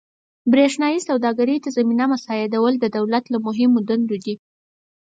برېښنايي سوداګرۍ ته زمینه مساعدول د دولت له مهمو دندو دي.